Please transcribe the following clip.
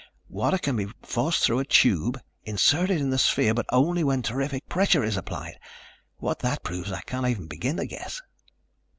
Water can be forced through a tube inserted in the sphere, but only when terrific pressure is applied. What that proves I can't even begin to guess."